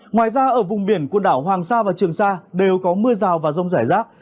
ngoài ra ở vùng biển quần đảo hoàng sa và trường sa đều có mưa rào và rông rải rác